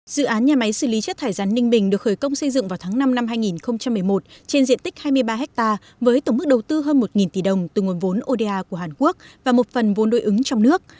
dự án nhà máy xử lý chất thải rắn ninh bình được khởi công xây dựng vào tháng năm năm hai nghìn một mươi một trên diện tích hai mươi ba ha với tổng mức đầu tư hơn một tỷ đồng từ nguồn vốn oda của hàn quốc và một phần vốn đối ứng trong nước